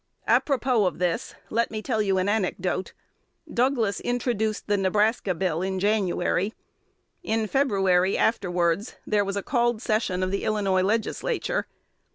Apropos of this, let me tell you an anecdote. Douglas introduced the Nebraska Bill in January. In February afterwards, there was a called session of the Illinois Legislature.